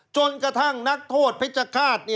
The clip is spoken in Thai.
จนกระทั่งนักโทษเพชรฆาต